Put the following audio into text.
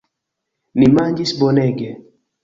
Ni manĝis bonege.